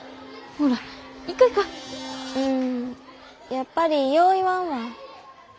やっぱりよう言わんわ。